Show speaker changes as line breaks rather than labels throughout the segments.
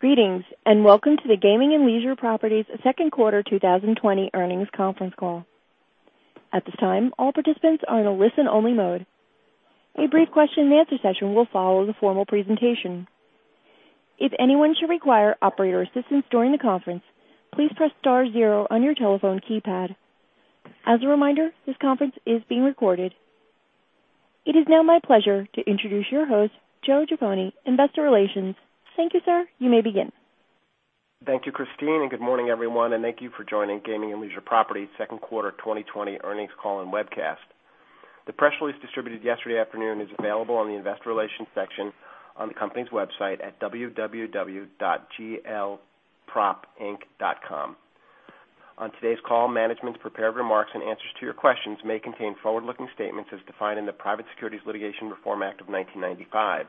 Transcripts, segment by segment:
Greetings, and welcome to the Gaming and Leisure Properties second quarter 2020 earnings conference call. At this time, all participants are in a listen-only mode. A brief question and answer session will follow the formal presentation. If anyone should require operator assistance during the conference, please press star zero on your telephone keypad. As a reminder, this conference is being recorded. It is now my pleasure to introduce your host, Joseph Jaffoni, Investor Relations. Thank you, sir. You may begin.
Thank you, Christine, and good morning, everyone, and thank you for joining Gaming and Leisure Properties second quarter 2020 earnings call and webcast. The press release distributed yesterday afternoon is available on the Investor Relations section on the company's website at www.glpropinc.com. On today's call, management's prepared remarks and answers to your questions may contain forward-looking statements as defined in the Private Securities Litigation Reform Act of 1995.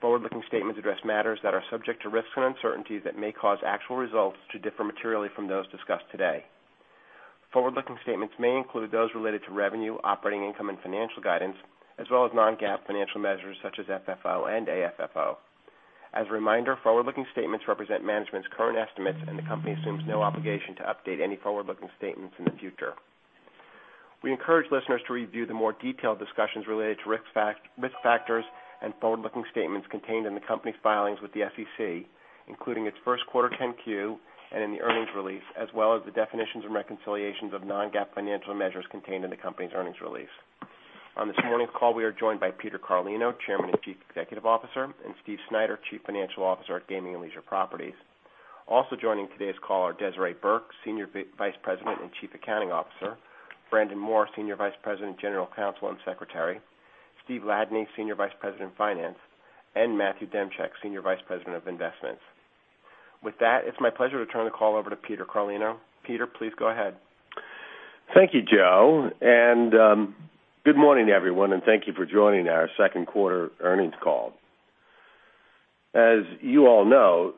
Forward-looking statements address matters that are subject to risks and uncertainties that may cause actual results to differ materially from those discussed today. Forward-looking statements may include those related to revenue, operating income, and financial guidance, as well as non-GAAP financial measures such as FFO and AFFO. As a reminder, forward-looking statements represent management's current estimates, the company assumes no obligation to update any forward-looking statements in the future. We encourage listeners to review the more detailed discussions related to risk factors and forward-looking statements contained in the company's filings with the SEC, including its first quarter 10-Q and in the earnings release, as well as the definitions and reconciliations of non-GAAP financial measures contained in the company's earnings release. On this morning's call, we are joined by Peter Carlino, Chairman and Chief Executive Officer, and Steve Snyder, Chief Financial Officer at Gaming and Leisure Properties. Also joining today's call are Desiree Burke, Senior Vice President and Chief Accounting Officer, Brandon Moore, Senior Vice President, General Counsel, and Secretary, Steve Ladany, Senior Vice President of Finance, and Matthew Demchyk, Senior Vice President of Investments. With that, it's my pleasure to turn the call over to Peter Carlino. Peter, please go ahead.
Thank you, Joe, and good morning, everyone, and thank you for joining our second quarter earnings call. As you all know,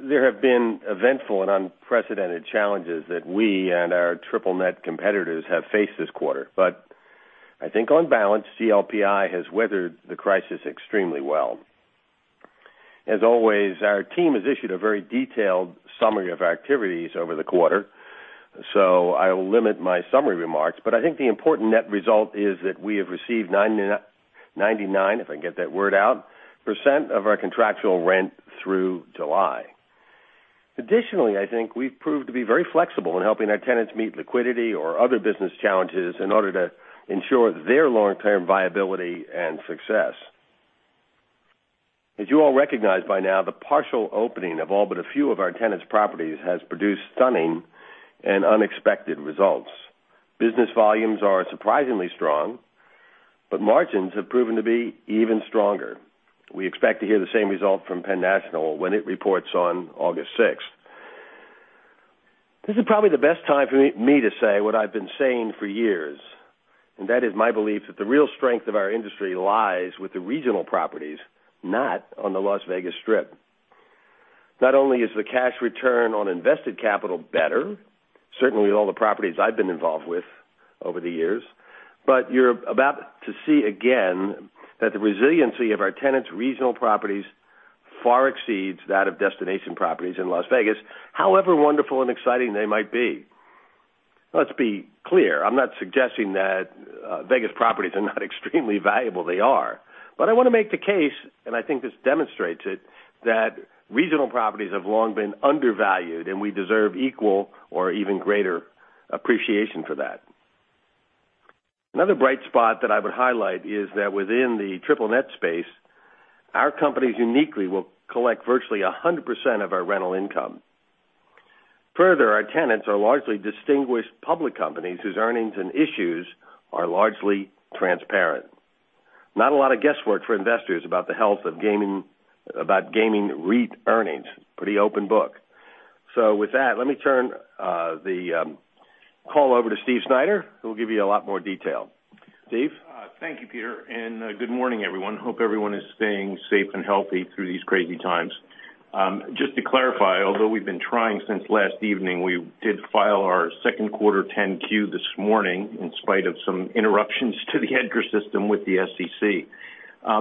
there have been eventful and unprecedented challenges that we and our triple net competitors have faced this quarter. I think on balance, GLPI has weathered the crisis extremely well. As always, our team has issued a very detailed summary of activities over the quarter. I will limit my summary remarks, but I think the important net result is that we have received 99%, if I can get that word out, of our contractual rent through July. Additionally, I think we've proved to be very flexible in helping our tenants meet liquidity or other business challenges in order to ensure their long-term viability and success. As you all recognize by now, the partial opening of all but a few of our tenants' properties has produced stunning and unexpected results. Business volumes are surprisingly strong, but margins have proven to be even stronger. We expect to hear the same result from Penn National when it reports on August sixth. This is probably the best time for me to say what I've been saying for years, and that is my belief that the real strength of our industry lies with the regional properties, not on the Las Vegas Strip. Not only is the cash return on invested capital better, certainly with all the properties I've been involved with over the years, but you're about to see again that the resiliency of our tenants' regional properties far exceeds that of destination properties in Las Vegas, however wonderful and exciting they might be. Let's be clear, I'm not suggesting that Vegas properties are not extremely valuable. They are. I want to make the case, and I think this demonstrates it, that regional properties have long been undervalued, and we deserve equal or even greater appreciation for that. Another bright spot that I would highlight is that within the triple net space, our companies uniquely will collect virtually 100% of our rental income. Further, our tenants are largely distinguished public companies whose earnings and issues are largely transparent. Not a lot of guesswork for investors about the health about gaming REIT earnings. Pretty open book. With that, let me turn the call over to Steve Snyder, who will give you a lot more detail. Steve?
Thank you, Peter. Good morning, everyone. Hope everyone is staying safe and healthy through these crazy times. Just to clarify, although we've been trying since last evening, we did file our second quarter 10Q this morning in spite of some interruptions to the EDGAR system with the SEC.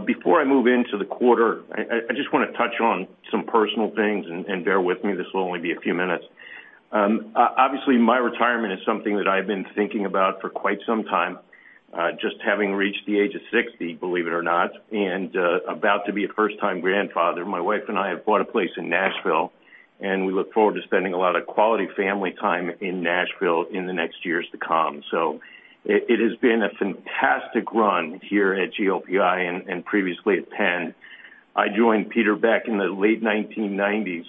Before I move into the quarter, I just want to touch on some personal things and bear with me, this will only be a few minutes. Obviously, my retirement is something that I've been thinking about for quite some time. Just having reached the age of 60, believe it or not, and about to be a first-time grandfather. My wife and I have bought a place in Nashville, and we look forward to spending a lot of quality family time in Nashville in the next years to come. It has been a fantastic run here at GLPI and previously at Penn. I joined Peter back in the late 1990s,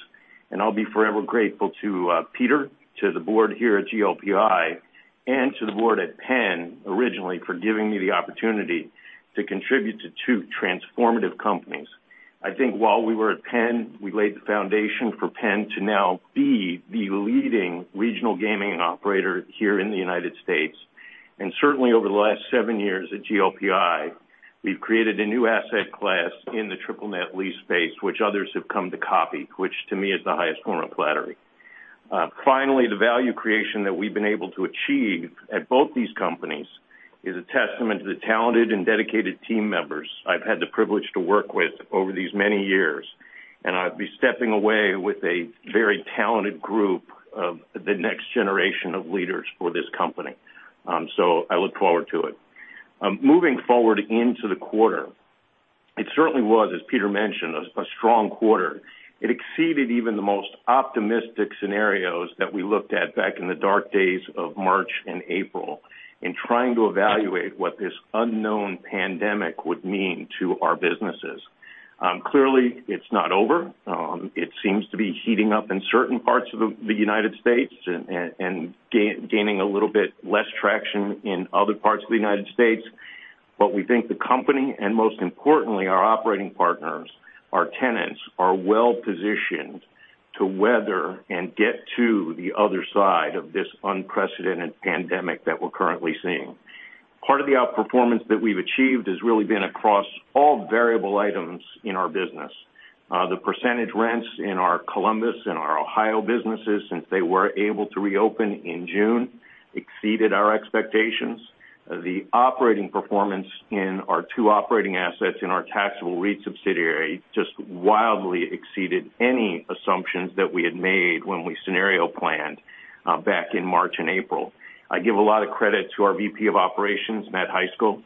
and I'll be forever grateful to Peter, to the board here at GLPI, and to the board at Penn originally for giving me the opportunity to contribute to two transformative companies. I think while we were at Penn, we laid the foundation for Penn to now be the leading regional gaming operator here in the United States. Certainly over the last seven years at GLPI, we've created a new asset class in the triple net lease space, which others have come to copy, which to me is the highest form of flattery. Finally, the value creation that we've been able to achieve at both these companies is a testament to the talented and dedicated team members I've had the privilege to work with over these many years. I'll be stepping away with a very talented group of the next generation of leaders for this company. I look forward to it. Moving forward into the quarter, it certainly was, as Peter mentioned, a strong quarter. It exceeded even the most optimistic scenarios that we looked at back in the dark days of March and April in trying to evaluate what this unknown pandemic would mean to our businesses. Clearly, it's not over. It seems to be heating up in certain parts of the U.S. and gaining a little bit less traction in other parts of the U.S. We think the company, and most importantly our operating partners, our tenants, are well positioned to weather and get to the other side of this unprecedented pandemic that we're currently seeing. Part of the outperformance that we've achieved has really been across all variable items in our business. The percentage rents in our Columbus and our Ohio businesses, since they were able to reopen in June, exceeded our expectations. The operating performance in our two operating assets in our taxable REIT subsidiary just wildly exceeded any assumptions that we had made when we scenario planned back in March and April. I give a lot of credit to our VP of Operations, Matt Heiskell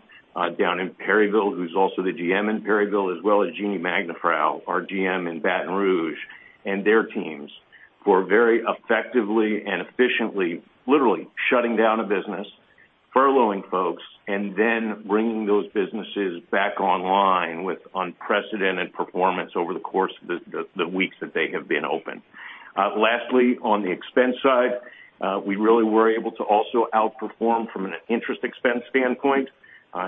down in Perryville, who's also the GM in Perryville, as well as Jeannie Magdefrau, our GM in Baton Rouge, and their teams, who are very effectively and efficiently, literally shutting down a business, furloughing folks, and then bringing those businesses back online with unprecedented performance over the course of the weeks that they have been open. Lastly, on the expense side, we really were able to also outperform from an interest expense standpoint.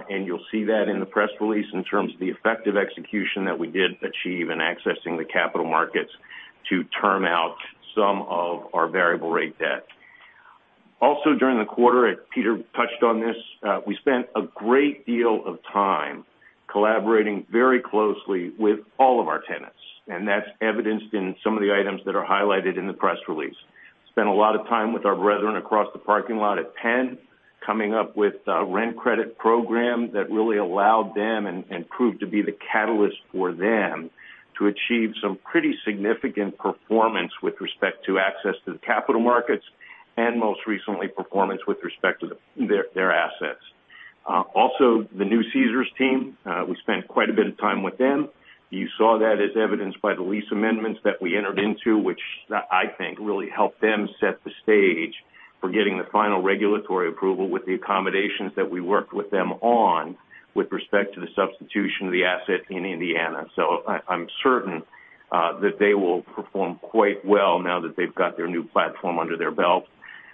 You'll see that in the press release in terms of the effective execution that we did achieve in accessing the capital markets to term out some of our variable rate debt. During the quarter, Peter touched on this, we spent a great deal of time collaborating very closely with all of our tenants, and that's evidenced in some of the items that are highlighted in the press release. Spent a lot of time with our brethren across the parking lot at Penn, coming up with a rent credit program that really allowed them and proved to be the catalyst for them to achieve some pretty significant performance with respect to access to the capital markets, and most recently, performance with respect to their assets. The new Caesars team, we spent quite a bit of time with them. You saw that as evidenced by the lease amendments that we entered into, which I think really helped them set the stage for getting the final regulatory approval with the accommodations that we worked with them on with respect to the substitution of the asset in Indiana. I'm certain that they will perform quite well now that they've got their new platform under their belt.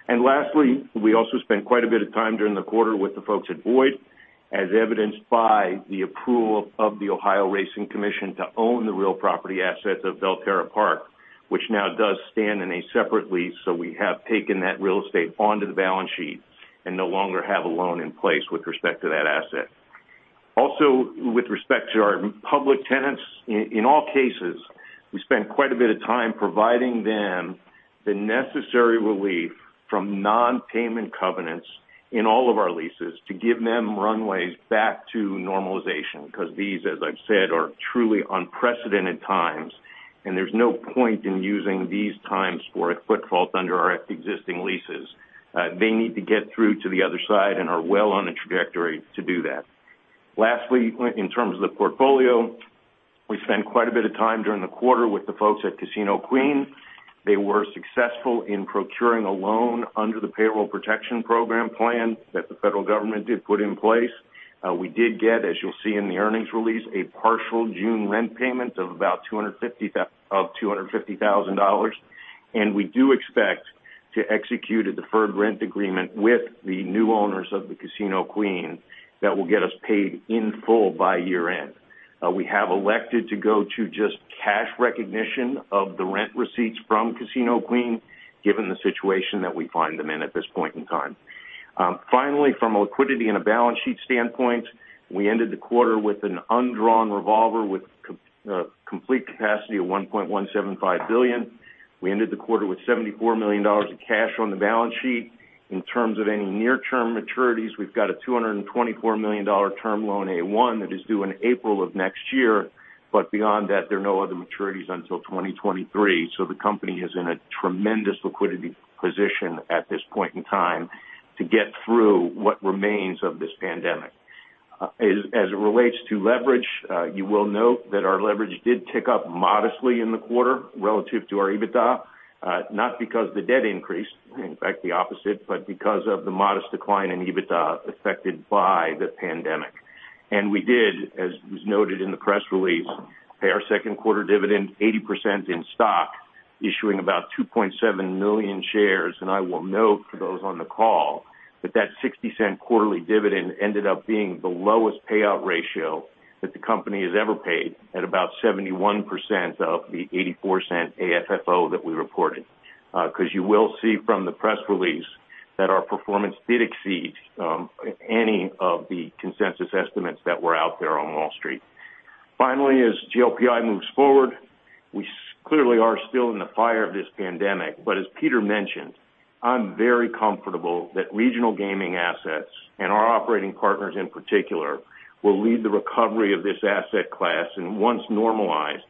Lastly, we also spent quite a bit of time during the quarter with the folks at Boyd, as evidenced by the approval of the Ohio Racing Commission to own the real property assets of Belterra Park, which now does stand in a separate lease. We have taken that real estate onto the balance sheet and no longer have a loan in place with respect to that asset. Also, with respect to our public tenants, in all cases, we spent quite a bit of time providing them the necessary relief from non-payment covenants in all of our leases to give them runways back to normalization. These, as I've said, are truly unprecedented times, and there's no point in using these times for a foot fault under our existing leases. They need to get through to the other side and are well on a trajectory to do that. Lastly, in terms of the portfolio, we spent quite a bit of time during the quarter with the folks at Casino Queen. They were successful in procuring a loan under the Paycheck Protection Program plan that the federal government did put in place. We did get, as you'll see in the earnings release, a partial June rent payment of $250,000. We do expect to execute a deferred rent agreement with the new owners of the Casino Queen that will get us paid in full by year-end. We have elected to go to just cash recognition of the rent receipts from Casino Queen, given the situation that we find them in at this point in time. Finally, from a liquidity and a balance sheet standpoint, we ended the quarter with an undrawn revolver with complete capacity of $1.175 billion. We ended the quarter with $74 million of cash on the balance sheet. In terms of any near-term maturities, we've got a $224 million term loan A-1 that is due in April of next year. Beyond that, there are no other maturities until 2023. The company is in a tremendous liquidity position at this point in time to get through what remains of this pandemic. As it relates to leverage, you will note that our leverage did tick up modestly in the quarter relative to our EBITDA. Not because the debt increased, in fact, the opposite, but because of the modest decline in EBITDA affected by the pandemic. We did, as was noted in the press release, pay our second quarter dividend 80% in stock, issuing about 2.7 million shares. I will note for those on the call that that $0.60 quarterly dividend ended up being the lowest payout ratio that the company has ever paid at about 71% of the $0.84 AFFO that we reported. You will see from the press release that our performance did exceed any of the consensus estimates that were out there on Wall Street. As GLPI moves forward, we clearly are still in the fire of this pandemic. As Peter mentioned, I'm very comfortable that regional gaming assets and our operating partners in particular, will lead the recovery of this asset class, and once normalized,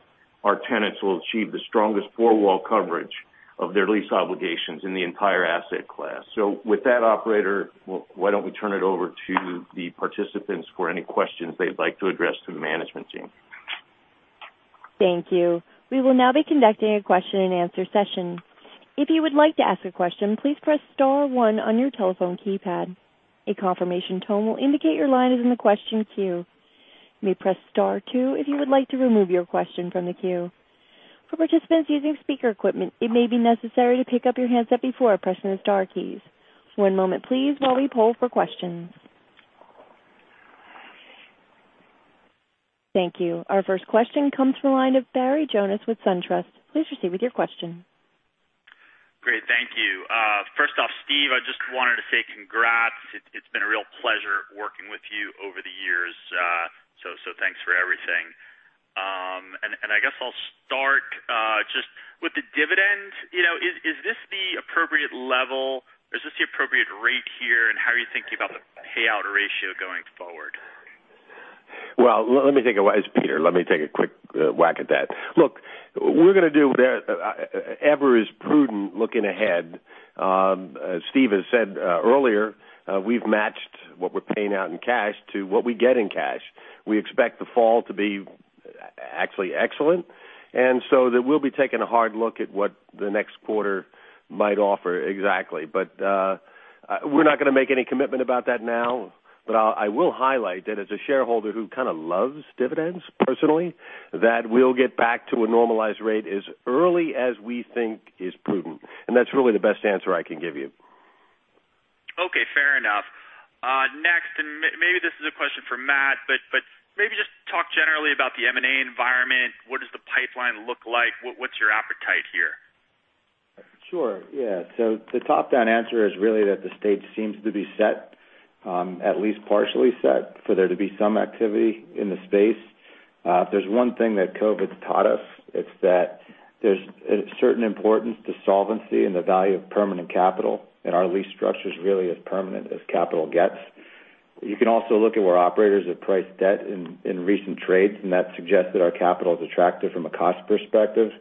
our tenants will achieve the strongest four-wall coverage of their lease obligations in the entire asset class. With that, operator, why don't we turn it over to the participants for any questions they'd like to address to the management team?
Thank you. We will now be conducting a question and answer session. If you would like to ask a question, please press star one on your telephone keypad. A confirmation tone will indicate your line is in the question queue. You may press star two if you would like to remove your question from the queue. For participants using speaker equipment, it may be necessary to pick up your handset before pressing the star keys. One moment please while we poll for questions. Thank you. Our first question comes from the line of Barry Jonas with SunTrust. Please proceed with your question.
Great. Thank you. First off, Steve, I just wanted to say congrats. It's been a real pleasure working with you over the years. Thanks for everything. I guess I'll start, just with the dividends. Is this the appropriate level? Is this the appropriate rate here? How are you thinking about the payout ratio going forward?
It's Peter. Let me take a quick whack at that. We're going to do whatever is prudent looking ahead. As Steve has said earlier, we've matched what we're paying out in cash to what we get in cash. We expect the fall to be actually excellent, so that we'll be taking a hard look at what the next quarter might offer exactly. We're not going to make any commitment about that now. I will highlight that as a shareholder who kind of loves dividends personally, that we'll get back to a normalized rate as early as we think is prudent. That's really the best answer I can give you.
Okay, fair enough. Next, maybe this is a question for Matt, but maybe just talk generally about the M&A environment. What does the pipeline look like? What's your appetite here?
Sure. Yeah. The top-down answer is really that the stage seems to be set, at least partially set, for there to be some activity in the space. If there's one thing that COVID-19's taught us, it's that there's a certain importance to solvency and the value of permanent capital, and our lease structure's really as permanent as capital gets. You can also look at where operators have priced debt in recent trades, and that suggests that our capital is attractive from a cost perspective.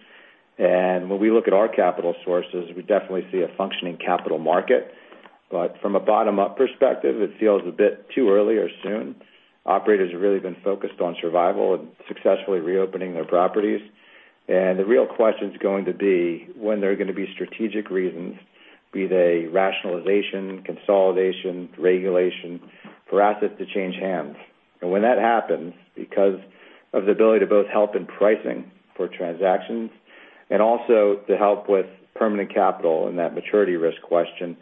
When we look at our capital sources, we definitely see a functioning capital market. From a bottom-up perspective, it feels a bit too early or soon. Operators have really been focused on survival and successfully reopening their properties. The real question is going to be when there are going to be strategic reasons, be they rationalization, consolidation, regulation, for assets to change hands. When that happens, because of the ability to both help in pricing for transactions and also to help with permanent capital and that maturity risk question,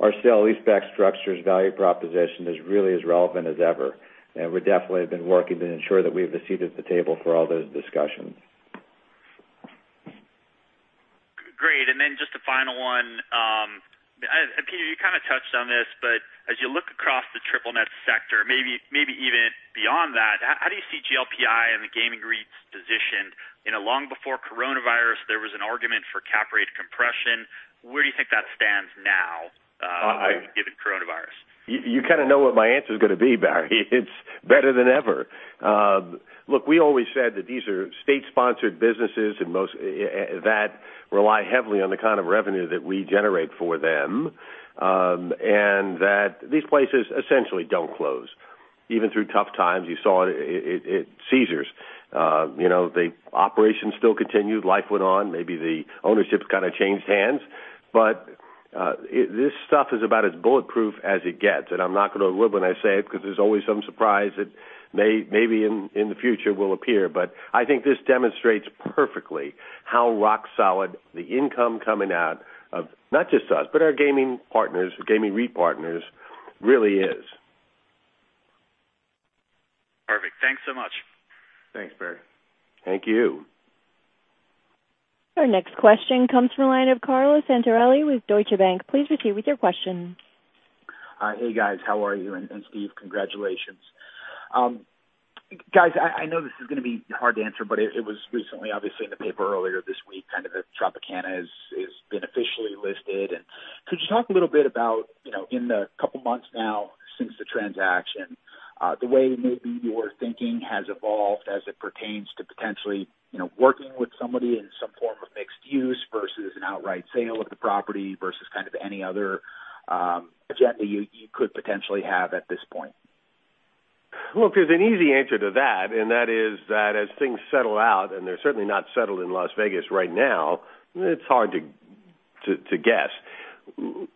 our sale leaseback structure's value proposition is really as relevant as ever. We definitely have been working to ensure that we have a seat at the table for all those discussions.
Great. Then just a final one. Peter, you kind of touched on this, but as you look across the triple net sector, maybe even beyond that, how do you see GLPI and the gaming REITs positioned? Long before coronavirus, there was an argument for cap rate compression. Where do you think that stands now given coronavirus?
You kind of know what my answer is going to be, Barry. It's better than ever. Look, we always said that these are state-sponsored businesses that rely heavily on the kind of revenue that we generate for them, and that these places essentially don't close. Even through tough times. You saw it at Caesars. The operations still continued. Life went on. Maybe the ownership kind of changed hands. This stuff is about as bulletproof as it gets. I'm not going to lie when I say it because there's always some surprise that maybe in the future will appear. I think this demonstrates perfectly how rock solid the income coming out of not just us, but our gaming REIT partners really is.
Perfect. Thanks so much.
Thanks, Barry.
Thank you.
Our next question comes from the line of Carlo Santarelli with Deutsche Bank. Please proceed with your question.
Hi. Hey, guys. How are you? Steve, congratulations. Guys, I know this is going to be hard to answer, but it was recently obviously in the paper earlier this week, kind of that Tropicana is beneficially listed. Could you talk a little bit about, in the couple of months now since the transaction, the way maybe your thinking has evolved as it pertains to potentially working with somebody in some form of mixed use versus an outright sale of the property versus kind of any other agenda you could potentially have at this point?
Look, there's an easy answer to that, and that is that as things settle out, and they're certainly not settled in Las Vegas right now, it's hard to guess.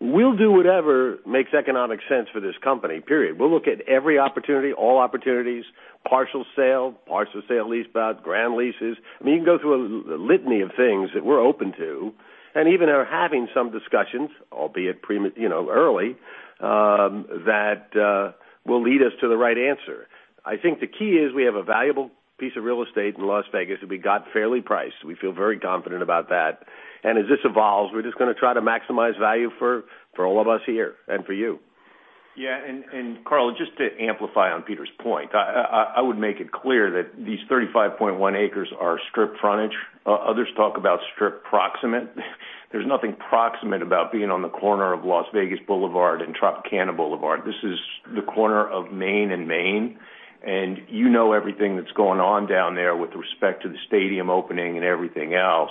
We'll do whatever makes economic sense for this company, period. We'll look at every opportunity, all opportunities, partial sale, partial sale leaseback, ground leases. I mean, you can go through a litany of things that we're open to and even are having some discussions, albeit early, that will lead us to the right answer. I think the key is we have a valuable piece of real estate in Las Vegas that we got fairly priced. We feel very confident about that. As this evolves, we're just going to try to maximize value for all of us here and for you.
Yeah. Carlo, just to amplify on Peter's point, I would make it clear that these 35.1 acres are strip frontage. Others talk about strip proximate. There's nothing proximate about being on the corner of Las Vegas Boulevard and Tropicana Boulevard. This is the corner of Main and Main, and you know everything that's going on down there with respect to the stadium opening and everything else.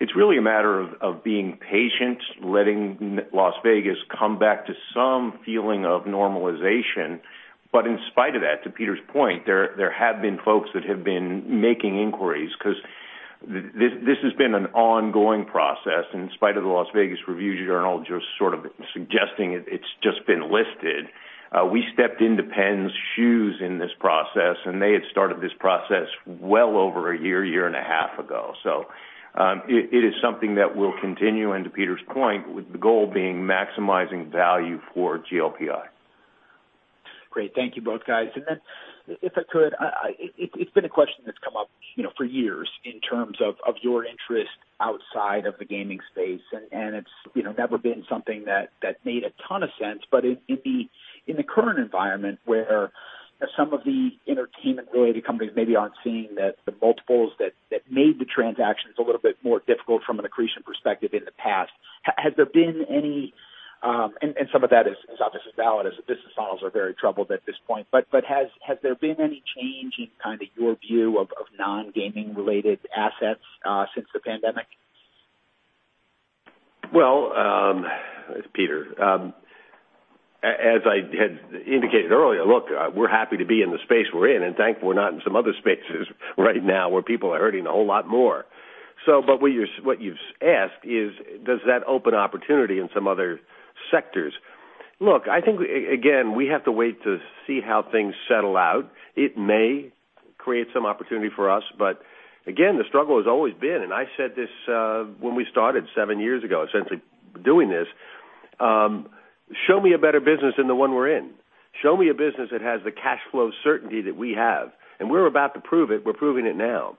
It's really a matter of being patient, letting Las Vegas come back to some feeling of normalization. In spite of that, to Peter's point, there have been folks that have been making inquiries, because this has been an ongoing process. In spite of the Las Vegas Review-Journal just sort of suggesting it's just been listed. We stepped into Penn's shoes in this process, and they had started this process well over a year and a half ago. It is something that will continue and to Peter's point, with the goal being maximizing value for GLPI.
Great. Thank you both guys. If I could, it's been a question that's come up for years in terms of your interest outside of the gaming space, and it's never been something that made a ton of sense. In the current environment where some of the entertainment-related companies maybe aren't seeing the multiples that made the transactions a little bit more difficult from an accretion perspective in the past. Some of that is obviously valid as business models are very troubled at this point, but has there been any change in your view of non-gaming related assets since the pandemic?
Well, it's Peter. As I had indicated earlier, look, we're happy to be in the space we're in, and thankful we're not in some other spaces right now where people are hurting a whole lot more. What you asked is, does that open opportunity in some other sectors? Look, I think, again, we have to wait to see how things settle out. It may create some opportunity for us, but again, the struggle has always been, and I said this when we started seven years ago, essentially doing this, show me a better business than the one we're in. Show me a business that has the cash flow certainty that we have, and we're about to prove it. We're proving it now.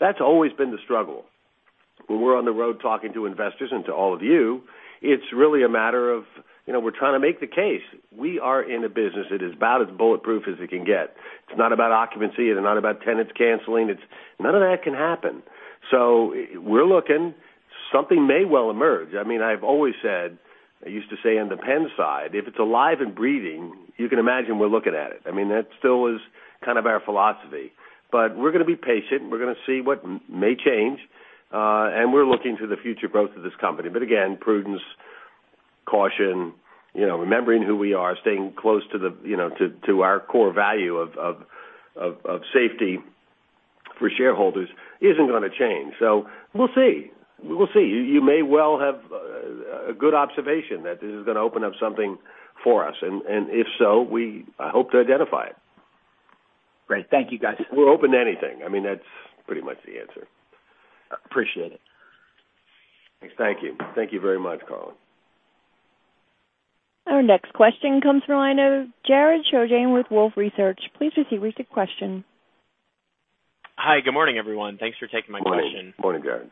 That's always been the struggle. When we're on the road talking to investors and to all of you, it's really a matter of we're trying to make the case. We are in a business that is about as bulletproof as it can get. It's not about occupancy, and not about tenants canceling. None of that can happen. We're looking. Something may well emerge. I've always said, I used to say on the Penn side, if it's alive and breathing, you can imagine we're looking at it. That still is kind of our philosophy. We're going to be patient. We're going to see what may change. We're looking to the future growth of this company. Again, prudence, caution, remembering who we are, staying close to our core value of safety for shareholders isn't going to change. We'll see. You may well have a good observation that this is going to open up something for us, and if so, we hope to identify it.
Great. Thank you, guys.
We're open to anything. That's pretty much the answer.
Appreciate it.
Thank you. Thank you very much, Carlo.
Our next question comes from the line of Jared Shojaian with Wolfe Research. Please proceed with your question.
Hi. Good morning, everyone. Thanks for taking my question.
Morning, Jared.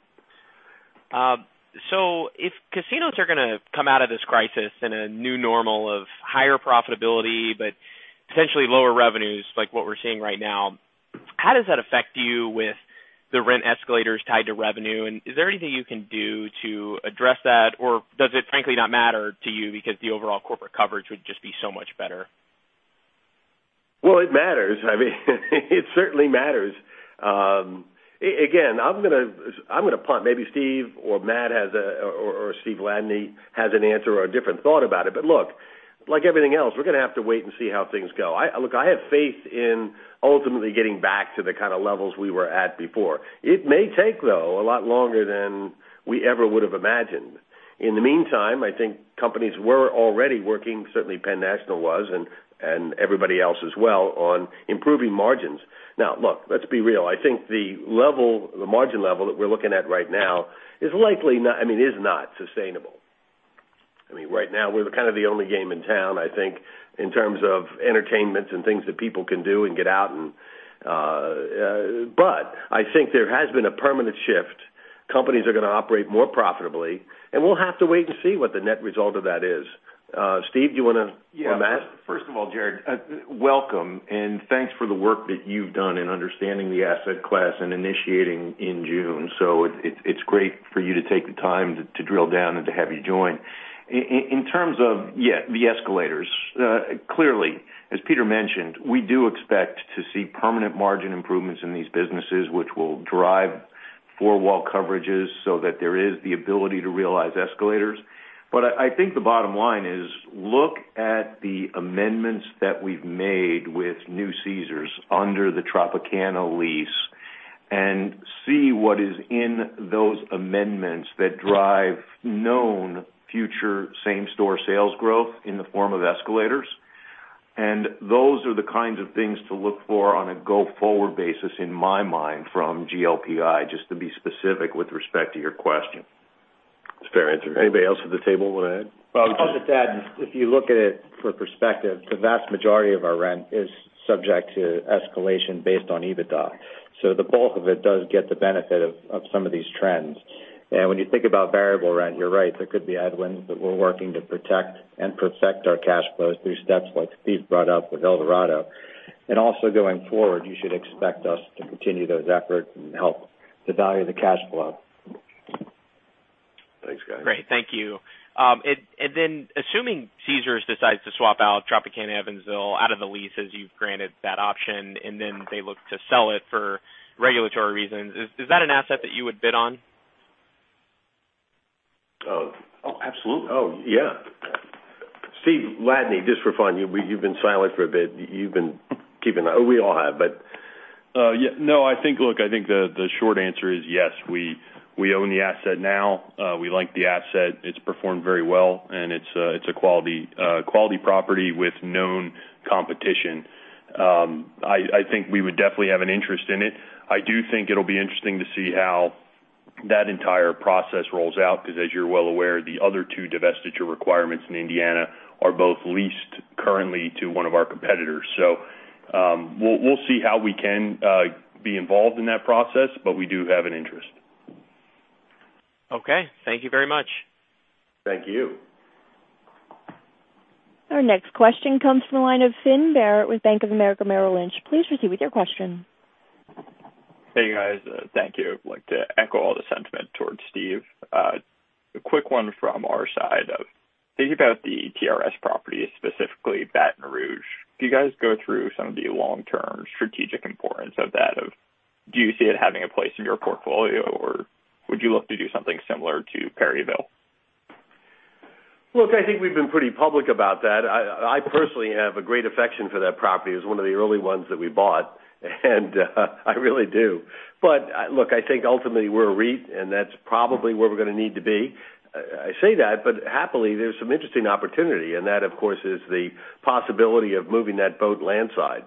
If casinos are going to come out of this crisis in a new normal of higher profitability, but essentially lower revenues, like what we're seeing right now, how does that affect you with the rent escalators tied to revenue? Is there anything you can do to address that? Does it frankly not matter to you because the overall corporate coverage would just be so much better?
Well, it matters. It certainly matters. Again, I'm going to punt. Maybe Steve or Matt or Steve Ladany has an answer or a different thought about it. Look, like everything else, we're going to have to wait and see how things go. Look, I have faith in ultimately getting back to the kind of levels we were at before. It may take, though, a lot longer than we ever would have imagined. In the meantime, I think companies were already working, certainly Penn National Gaming was, and everybody else as well, on improving margins. Look, let's be real. I think the margin level that we're looking at right now is not sustainable. Right now, we're kind of the only game in town, I think, in terms of entertainment and things that people can do and get out. I think there has been a permanent shift. Companies are going to operate more profitably. We'll have to wait to see what the net result of that is. Steve, or Matt?
Yeah. First of all, Jared, welcome, and thanks for the work that you've done in understanding the asset class and initiating in June. It's great for you to take the time to drill down and to have you join. In terms of, yeah, the escalators. Clearly, as Peter mentioned, we do expect to see permanent margin improvements in these businesses, which will drive four wall coverages so that there is the ability to realize escalators. I think the bottom line is look at the amendments that we've made with new Caesars under the Tropicana lease and see what is in those amendments that drive known future same store sales growth in the form of escalators. Those are the kinds of things to look for on a go-forward basis, in my mind, from GLPI, just to be specific with respect to your question.
That's a fair answer.
Anybody else at the table want to add?
I'll just add, if you look at it for perspective, the vast majority of our rent is subject to escalation based on EBITDA. The bulk of it does get the benefit of some of these trends. When you think about variable rent, you're right. There could be headwinds, but we're working to protect and perfect our cash flows through steps like Steve brought up with Eldorado. Also going forward, you should expect us to continue those efforts and help the value of the cash flow.
Thanks, guys.
Great. Thank you. Assuming Caesars decides to swap out Tropicana Evansville out of the lease, as you've granted that option, and then they look to sell it for regulatory reasons, is that an asset that you would bid on?
Oh, absolutely. Oh, yeah. Steve Ladany, just for fun, you've been silent for a bit. We all have, but
No, I think the short answer is yes. We own the asset now. We like the asset. It's performed very well, and it's a quality property with known competition. I think we would definitely have an interest in it. I do think it'll be interesting to see how that entire process rolls out, because as you're well aware, the other two divestiture requirements in Indiana are both leased currently to one of our competitors. We'll see how we can be involved in that process, but we do have an interest.
Okay. Thank you very much.
Thank you.
Our next question comes from the line of Finn Barrett with Bank of America Merrill Lynch. Please proceed with your question.
Hey, guys. Thank you. I'd like to echo all the sentiment towards Steve. A quick one from our side of thinking about the TRS properties, specifically Baton Rouge. Do you guys go through some of the long-term strategic importance of that? Do you see it having a place in your portfolio, or would you look to do something similar to Perryville?
Look, I think we've been pretty public about that. I personally have a great affection for that property. It was one of the early ones that we bought, and I really do. Look, I think ultimately we're a REIT, and that's probably where we're going to need to be. I say that, but happily, there's some interesting opportunity, and that, of course, is the possibility of moving that boat landside.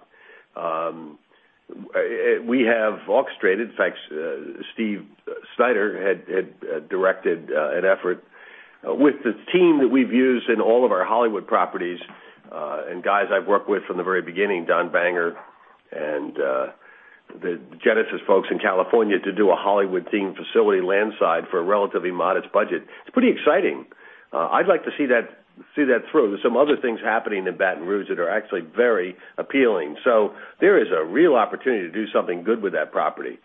We have orchestrated, in fact, Steve Snyder had directed an effort with the team that we've used in all of our Hollywood properties, and guys I've worked with from the very beginning, Don Banger and the Genesis folks in California, to do a Hollywood-themed facility landside for a relatively modest budget. It's pretty exciting. I'd like to see that through. There's some other things happening in Baton Rouge that are actually very appealing. There is a real opportunity to do something good with that property.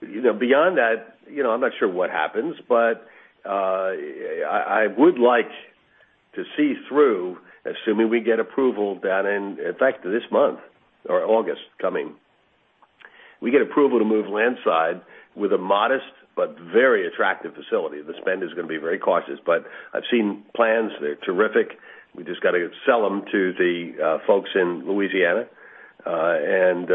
Beyond that, I'm not sure what happens, but I would like to see through, assuming we get approval that in fact, this month or August coming. We get approval to move landside with a modest but very attractive facility. The spend is going to be very cautious, but I've seen plans. They're terrific. We just got to sell them to the folks in Louisiana. I'd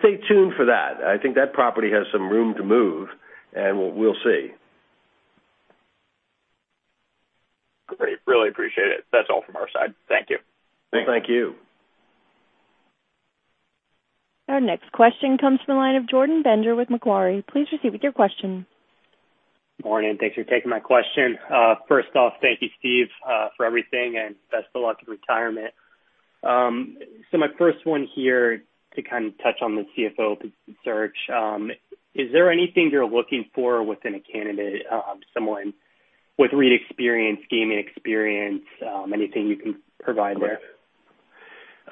stay tuned for that. I think that property has some room to move, and we'll see.
Great. Really appreciate it. That's all from our side. Thank you.
Thank you.
Our next question comes from the line of Jordan Bender with Macquarie. Please proceed with your question.
Morning. Thanks for taking my question. First off, thank you, Steve, for everything, and best of luck in retirement. My first one here to kind of touch on the CFO open search. Is there anything you're looking for within a candidate, someone with REIT experience, gaming experience, anything you can provide there?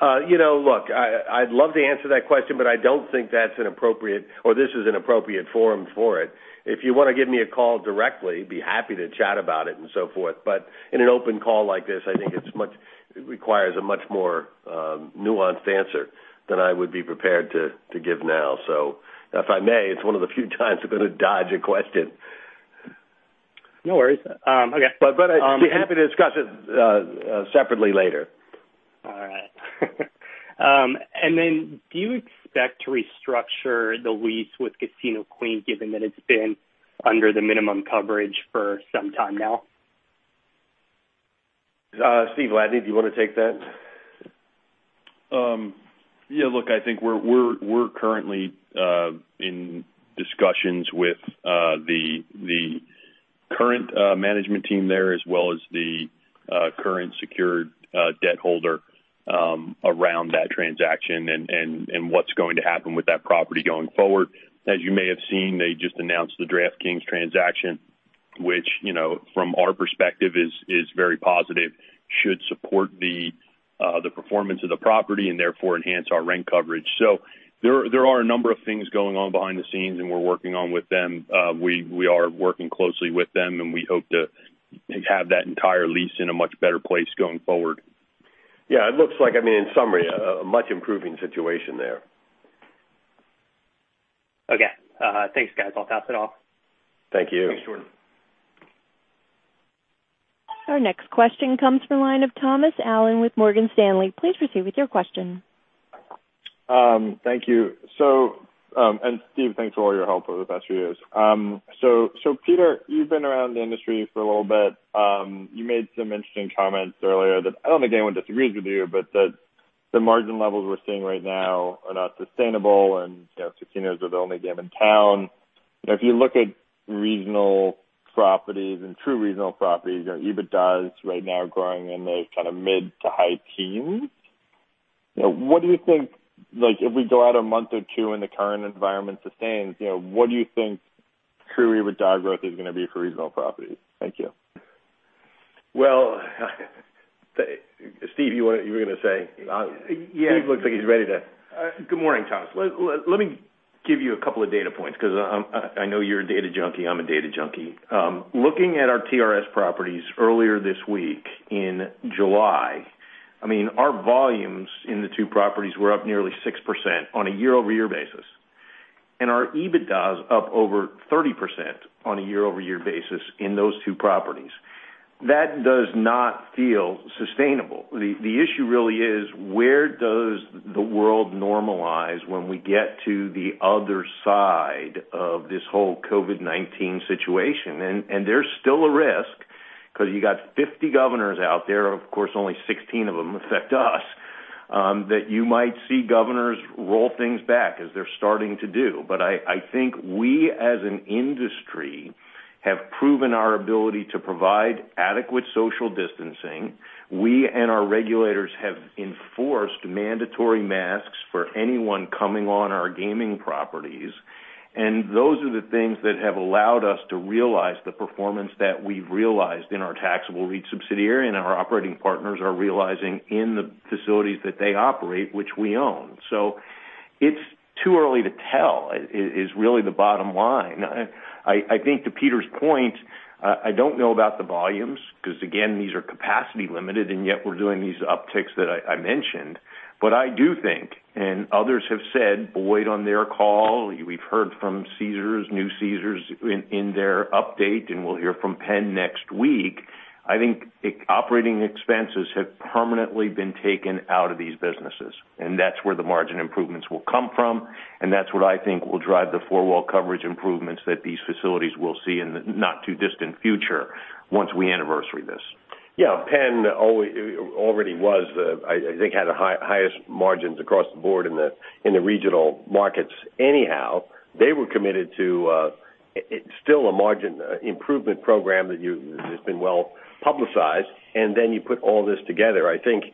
Look, I'd love to answer that question, but I don't think that's inappropriate or this is an appropriate forum for it. If you want to give me a call directly, I'd be happy to chat about it and so forth. In an open call like this, I think it requires a much more nuanced answer than I would be prepared to give now. If I may, it's one of the few times I'm going to dodge a question.
No worries. Okay.
I'd be happy to discuss it separately later.
All right. Do you expect to restructure the lease with Casino Queen, given that it's been under the minimum coverage for some time now?
Steve Ladany, do you want to take that?
Yeah. Look, I think we're currently in discussions with the current management team there as well as the current secured debt holder around that transaction and what's going to happen with that property going forward. As you may have seen, they just announced the DraftKings transaction, which from our perspective is very positive, should support the performance of the property and therefore enhance our rent coverage. There are a number of things going on behind the scenes, and we're working on with them. We are working closely with them, and we hope to have that entire lease in a much better place going forward.
Yeah, it looks like, in summary, a much improving situation there.
Okay. Thanks, guys. I'll pass it off.
Thank you.
Thanks, Jordan.
Our next question comes from the line of Thomas Allen with Morgan Stanley. Please proceed with your question.
Thank you. Steve, thanks for all your help over the past few years. Peter, you've been around the industry for a little bit. You made some interesting comments earlier that I don't think anyone disagrees with you, but that the margin levels we're seeing right now are not sustainable and casinos are the only game in town. If you look at regional properties and true regional properties, your EBITDAs right now growing in the kind of mid to high teens. What do you think, if we go out a month or two and the current environment sustains, what do you think true EBITDA growth is going to be for regional properties? Thank you.
Well, Steve, you were going to say?
Yes.
Steve looks like he's ready to.
Good morning, Thomas. Let me give you a couple of data points, because I know you're a data junkie, I'm a data junkie. Looking at our TRS properties earlier this week in July, our volumes in the two properties were up nearly 6% on a year-over-year basis. Our EBITDA is up over 30% on a year-over-year basis in those two properties. That does not feel sustainable. The issue really is where does the world normalize when we get to the other side of this whole COVID-19 situation? There's still a risk, because you got 50 governors out there, of course, only 16 of them affect us, that you might see governors roll things back as they're starting to do. I think we, as an industry, have proven our ability to provide adequate social distancing. We and our regulators have enforced mandatory masks for anyone coming on our gaming properties. Those are the things that have allowed us to realize the performance that we've realized in our taxable REIT subsidiary and our operating partners are realizing in the facilities that they operate, which we own. It's too early to tell, is really the bottom line. I think to Peter's point, I don't know about the volumes because, again, these are capacity limited, and yet we're doing these upticks that I mentioned. I do think, and others have said, Boyd on their call, we've heard from Caesars, new Caesars in their update, and we'll hear from Penn next week. I think operating expenses have permanently been taken out of these businesses, and that's where the margin improvements will come from, and that's what I think will drive the four-wall coverage improvements that these facilities will see in the not too distant future once we anniversary this.
Penn already, I think, had the highest margins across the board in the regional markets anyhow. They were committed to still a margin improvement program that has been well-publicized, and then you put all this together. I think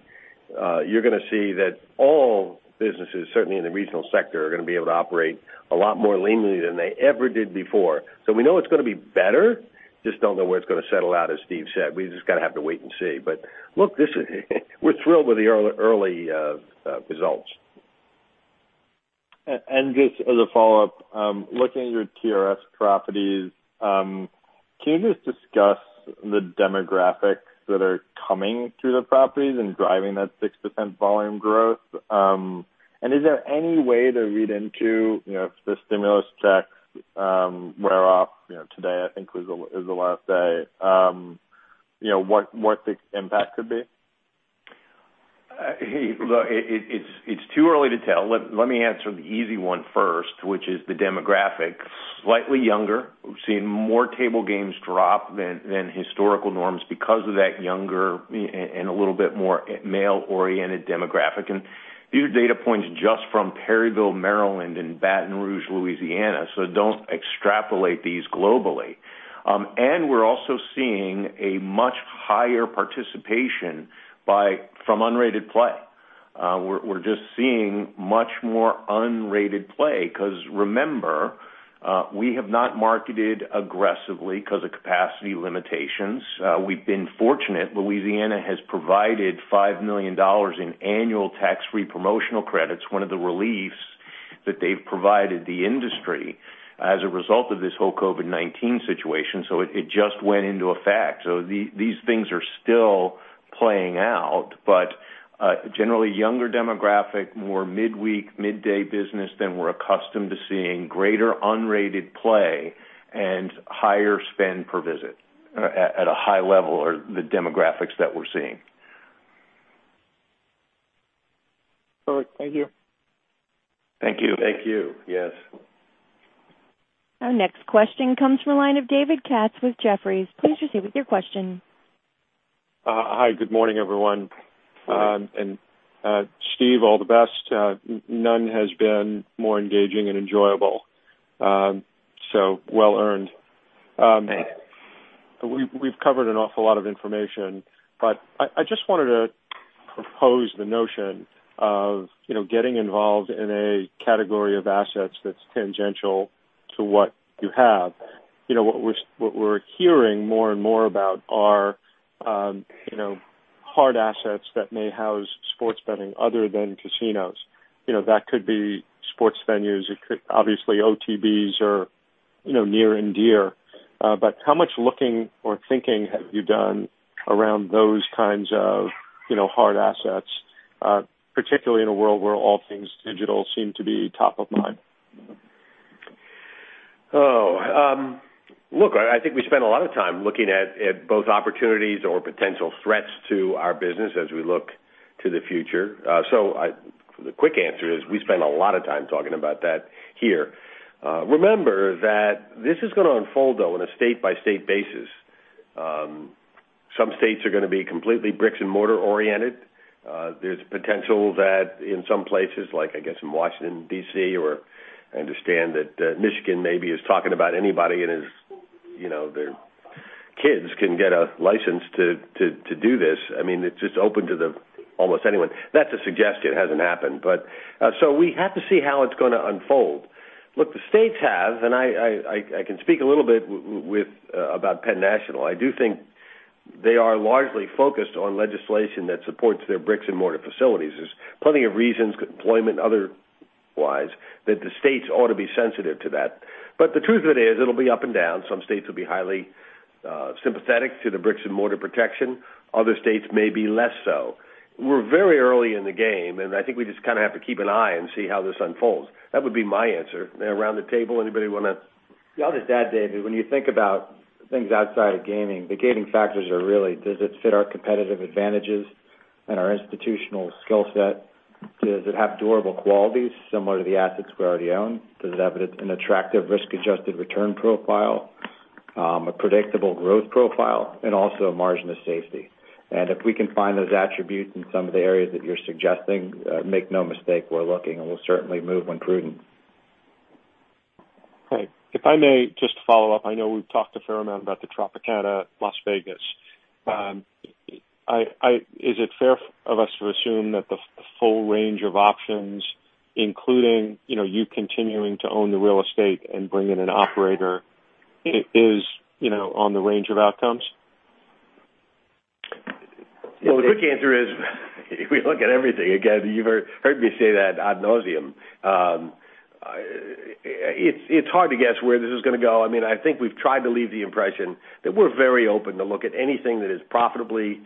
you're going to see that all businesses, certainly in the regional sector, are going to be able to operate a lot more leanly than they ever did before. We know it's going to be better. Just don't know where it's going to settle out, as Steve said. We just got to have to wait and see. Look, we're thrilled with the early results.
Just as a follow-up, looking at your TRS properties, can you just discuss the demographics that are coming to the properties and driving that 6% volume growth? Is there any way to read into if the stimulus checks wear off, today I think is the last day, what the impact could be?
Look, it's too early to tell. Let me answer the easy one first, which is the demographic. Slightly younger. We've seen more table games drop than historical norms because of that younger and a little bit more male-oriented demographic. These are data points just from Perryville, Maryland, and Baton Rouge, Louisiana. Don't extrapolate these globally. We're also seeing a much higher participation from unrated play. We're just seeing much more unrated play because remember, we have not marketed aggressively because of capacity limitations. We've been fortunate. Louisiana has provided $5 million in annual tax-free promotional credits, one of the reliefs that they've provided the industry as a result of this whole COVID-19 situation. It just went into effect.
These things are still playing out, but generally younger demographic, more midweek, midday business than we're accustomed to seeing, greater unrated play, and higher spend per visit at a high level are the demographics that we're seeing.
All right. Thank you.
Thank you.
Thank you. Yes.
Our next question comes from the line of David Katz with Jefferies. Please proceed with your question.
Hi. Good morning, everyone. Steve, all the best. None has been more engaging and enjoyable. Well earned.
Thanks.
We've covered an awful lot of information, but I just wanted to propose the notion of getting involved in a category of assets that's tangential to what you have. What we're hearing more and more about are hard assets that may house sports betting other than casinos. That could be sports venues. Obviously, OTBs are near and dear. How much looking or thinking have you done around those kinds of hard assets, particularly in a world where all things digital seem to be top of mind?
I think we spend a lot of time looking at both opportunities or potential threats to our business as we look to the future. The quick answer is we spend a lot of time talking about that here. Remember that this is going to unfold, though, in a state-by-state basis. Some states are going to be completely bricks and mortar oriented. There's potential that in some places, like I guess in Washington D.C., or I understand that Michigan maybe is talking about anybody and their kids can get a license to do this. It's just open to almost anyone. That's a suggestion. It hasn't happened. We have to see how it's going to unfold. The states have, and I can speak a little bit about Penn National, I do think they are largely focused on legislation that supports their bricks and mortar facilities. There's plenty of reasons, employment, otherwise, that the states ought to be sensitive to that. The truth of it is, it'll be up and down. Some states will be highly sympathetic to the bricks and mortar protection. Other states may be less so. We're very early in the game, and I think we just have to keep an eye and see how this unfolds. That would be my answer. Around the table, anybody want to?
I'll just add, David, when you think about things outside of gaming, the gating factors are really, does it fit our competitive advantages and our institutional skill set? Does it have durable qualities similar to the assets we already own? Does it have an attractive risk-adjusted return profile, a predictable growth profile, and also a margin of safety? If we can find those attributes in some of the areas that you're suggesting, make no mistake, we're looking, and we'll certainly move when prudent.
Great. If I may just follow up, I know we've talked a fair amount about the Tropicana, Las Vegas. Is it fair of us to assume that the full range of options, including you continuing to own the real estate and bring in an operator is on the range of outcomes?
Well, the quick answer is we look at everything. You've heard me say that ad nauseam. It's hard to guess where this is going to go. I think we've tried to leave the impression that we're very open to look at anything that is profitably,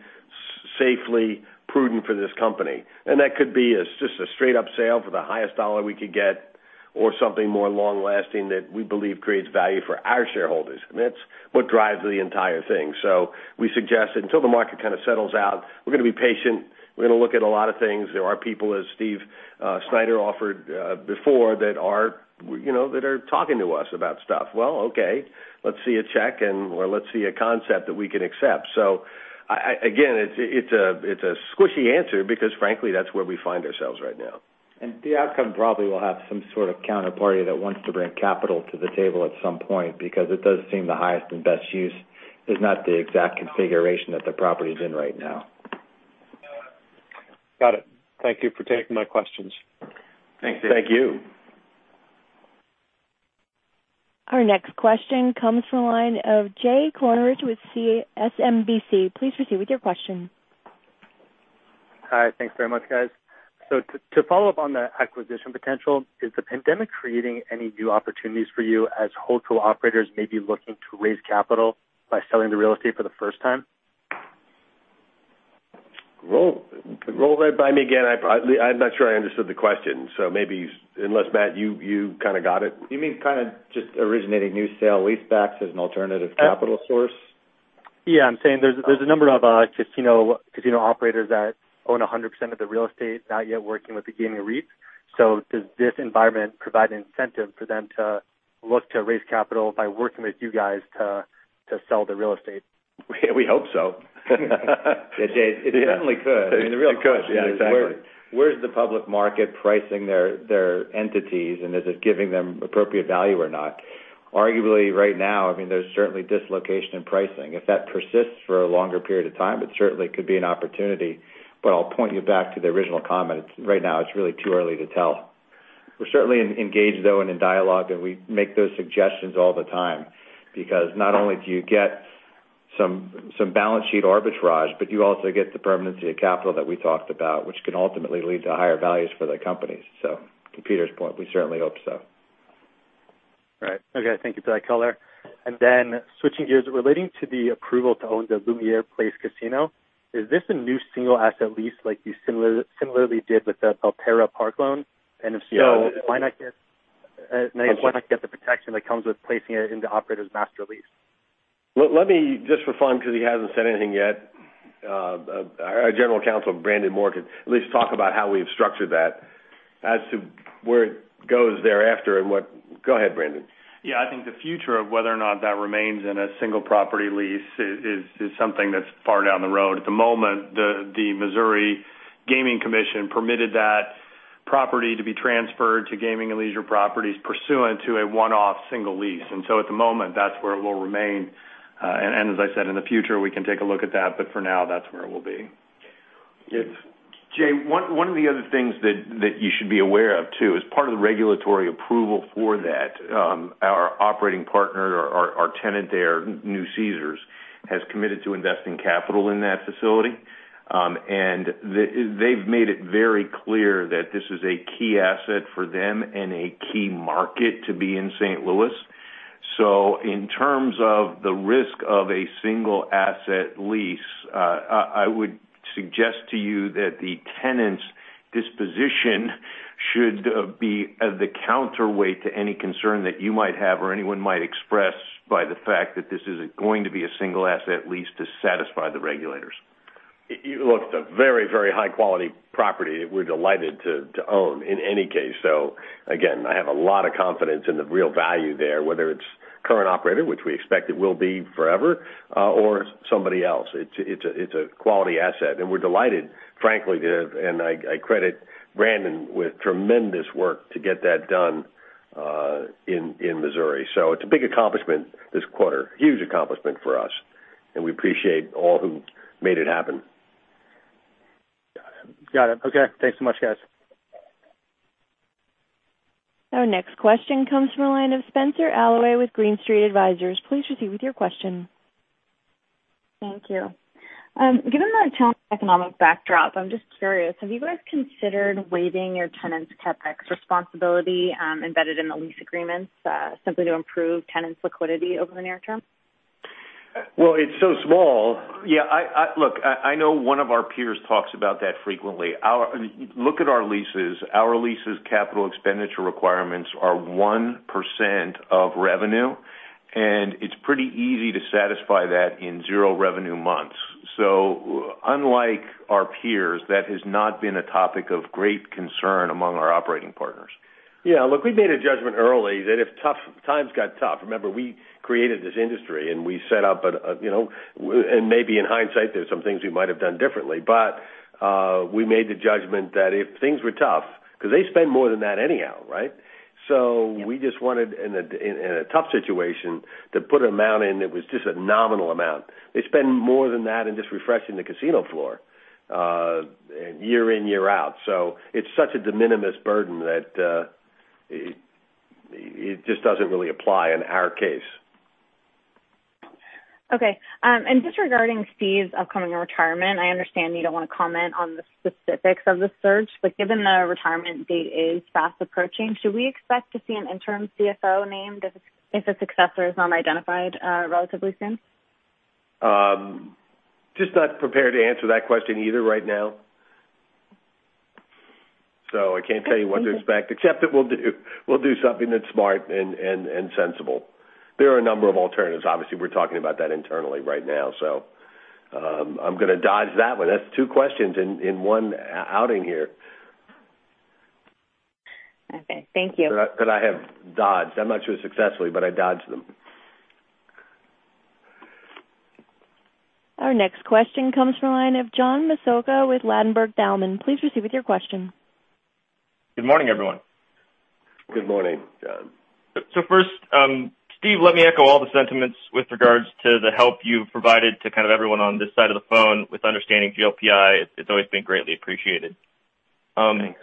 safely prudent for this company. That could be just a straight-up sale for the highest dollar we could get or something more long-lasting that we believe creates value for our shareholders. That's what drives the entire thing. We suggest, until the market settles out, we're going to be patient. We're going to look at a lot of things. There are people, as Steve Snyder offered before, that are talking to us about stuff. Well, okay. Let's see a check or let's see a concept that we can accept. Again, it's a squishy answer because frankly, that's where we find ourselves right now.
The outcome probably will have some sort of counterparty that wants to bring capital to the table at some point because it does seem the highest and best use is not the exact configuration that the property's in right now.
Got it. Thank you for taking my questions.
Thanks.
Thank you.
Our next question comes from the line of Jay Kornreich with SMBC. Please proceed with your question.
Hi. Thanks very much, guys. To follow up on the acquisition potential, is the pandemic creating any new opportunities for you as hotel operators may be looking to raise capital by selling the real estate for the first time?
Roll that by me again. I'm not sure I understood the question. Maybe, unless Matt, you got it?
You mean just originating new sale leasebacks as an alternative capital source?
Yeah. I'm saying there's a number of casino operators that own 100% of the real estate, not yet working with the gaming REITs. Does this environment provide an incentive for them to look to raise capital by working with you guys to sell the real estate?
We hope so.
It definitely could.
It could, yeah, exactly.
Where's the public market pricing their entities, and is it giving them appropriate value or not? Arguably, right now, there's certainly dislocation in pricing. If that persists for a longer period of time, it certainly could be an opportunity. I'll point you back to the original comment. Right now, it's really too early to tell. We're certainly engaged, though, and in dialogue, and we make those suggestions all the time because not only do you get some balance sheet arbitrage, but you also get the permanency of capital that we talked about, which can ultimately lead to higher values for the companies. To Peter's point, we certainly hope so.
Right. Okay. Thank you for that color. Then switching gears, relating to the approval to own the Lumiere Place Casino, is this a new single asset lease like you similarly did with the Belterra Park loan?
Yeah.
Why not get the protection that comes with placing it in the operator's master lease?
Let me just, for fun, because he hasn't said anything yet, our General Counsel, Brandon Moore, can at least talk about how we've structured that as to where it goes thereafter. Go ahead, Brandon.
Yeah, I think the future of whether or not that remains in a single property lease is something that's far down the road. At the moment, the Missouri Gaming Commission permitted that property to be transferred to Gaming and Leisure Properties pursuant to a one-off single lease. At the moment, that's where it will remain. As I said, in the future, we can take a look at that. For now, that's where it will be.
Jay, one of the other things that you should be aware of, too, as part of the regulatory approval for that, our operating partner, our tenant there, new Caesars, has committed to investing capital in that facility. They've made it very clear that this is a key asset for them and a key market to be in St. Louis. In terms of the risk of a single asset lease, I would suggest to you that the tenant's disposition should be the counterweight to any concern that you might have or anyone might express by the fact that this is going to be a single asset lease to satisfy the regulators. Look, it's a very high-quality property that we're delighted to own in any case. Again, I have a lot of confidence in the real value there, whether it's current operator, which we expect it will be forever or somebody else. It's a quality asset, and we're delighted, frankly, and I credit Brandon with tremendous work to get that done in Missouri. It's a big accomplishment this quarter, huge accomplishment for us, and we appreciate all who made it happen.
Got it. Okay. Thanks so much, guys.
Our next question comes from the line of Spenser Allaway with Green Street Advisors. Please proceed with your question.
Thank you. Given the current economic backdrop, I'm just curious, have you guys considered waiving your tenants' CapEx responsibility embedded in the lease agreements simply to improve tenants' liquidity over the near term?
Well, it's so small.
Yeah. Look, I know one of our peers talks about that frequently. Look at our leases. Our leases' capital expenditure requirements are 1% of revenue, and it's pretty easy to satisfy that in zero revenue months. Unlike our peers, that has not been a topic of great concern among our operating partners.
Yeah, look, we made a judgment early that if times got tough, remember, maybe in hindsight, there's some things we might have done differently, but we made the judgment that if things were tough, because they spend more than that anyhow, right? We just wanted, in a tough situation, to put an amount in that was just a nominal amount. They spend more than that in just refreshing the casino floor year in, year out. It's such a de minimis burden that it just doesn't really apply in our case.
Okay. Just regarding Steve's upcoming retirement, I understand you don't want to comment on the specifics of the search, given the retirement date is fast approaching, should we expect to see an interim CFO named if a successor is not identified relatively soon?
Just not prepared to answer that question either right now. I can't tell you what to expect, except that we'll do something that's smart and sensible. There are a number of alternatives. Obviously, we're talking about that internally right now, so I'm going to dodge that one. That's two questions in one outing here.
Okay. Thank you.
That I have dodged. I'm not sure successfully, but I dodged them.
Our next question comes from the line of John Massocca with Ladenburg Thalmann. Please proceed with your question.
Good morning, everyone.
Good morning, John.
First, Steve, let me echo all the sentiments with regards to the help you've provided to kind of everyone on this side of the phone with understanding GLPI. It's always been greatly appreciated.
Thanks.